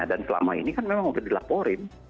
dan selama ini kan memang udah dilaporin